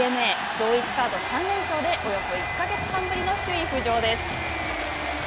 同一カード３連勝でおよそ１か月半ぶりの首位浮上です。